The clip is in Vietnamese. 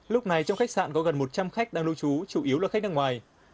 lúc này trong khách sạn có gần một trăm linh khách đang lưu trú chủ yếu là khách nước ngoài